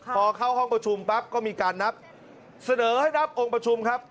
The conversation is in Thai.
พอเข้าห้องประชุมปั๊บก็มีการนับเสนอให้นับองค์ประชุมครับ